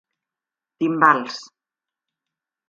Timbals.